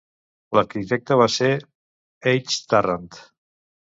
L'arquitecte va ser H. Tarrant.